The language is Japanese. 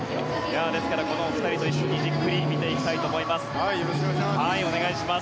この２人と一緒に、じっくりと見ていきたいと思います。